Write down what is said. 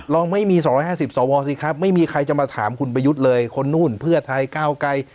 ไม่มี๒๕๐สวสิครับไม่มีใครจะมาถามคุณประยุทธ์เลยคนนู่นเพื่อไทยก้าวไกร